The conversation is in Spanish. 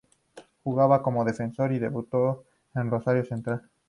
Jugaba como defensor y debutó en Rosario Central.